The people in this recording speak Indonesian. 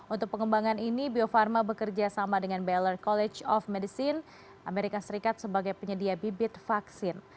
untuk pengembangan ini bio farma bekerja sama dengan bailor college of medicine amerika serikat sebagai penyedia bibit vaksin